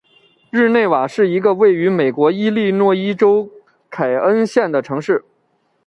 日内瓦是一个位于美国伊利诺伊州凯恩县的城市。